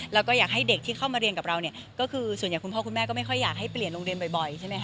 แล้วก็อยากให้เด็กที่เข้ามาเรียนกับเราเนี่ยก็คือส่วนใหญ่คุณพ่อคุณแม่ก็ไม่ค่อยอยากให้เปลี่ยนโรงเรียนบ่อยใช่ไหมค